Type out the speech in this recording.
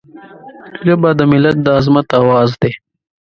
ژبه د ملت د عظمت آواز دی